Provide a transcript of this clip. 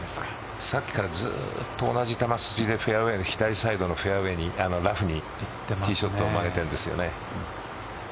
さっきからずっと同じ玉筋で左サイドのフェアウエーにラフにティーショット曲げてるんですよね。